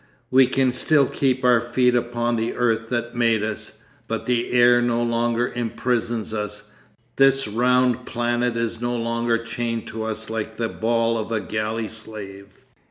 'We can still keep our feet upon the earth that made us. But the air no longer imprisons us, this round planet is no longer chained to us like the ball of a galley slave....